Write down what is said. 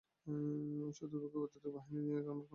শত্রুপক্ষের পদাতিক বাহিনী নিয়ে আমার কোন ভয় নেই।